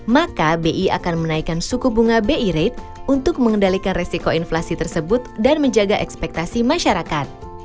maka bi akan menaikkan suku bunga bi rate untuk mengendalikan resiko inflasi tersebut dan menjaga ekspektasi masyarakat